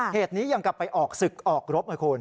เหตุนี้ยังกลับไปออกศึกออกรบไงคุณ